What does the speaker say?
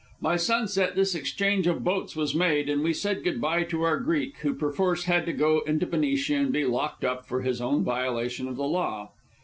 By sunset this exchange of boats was made, and we said good by to our Greek, who perforce had to go into Benicia and be locked up for his own violation of the law.